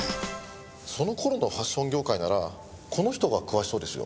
その頃のファッション業界ならこの人が詳しそうですよ。